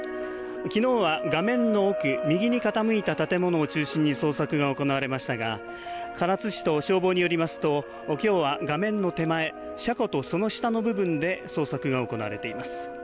きのうは画面の奥、右に傾いた建物を中心に捜索が行われましたが、唐津市と消防によりますときょうは画面の手前、車庫とその下の部分で捜索が行われています。